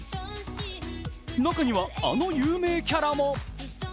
中には、あの有名キャラも。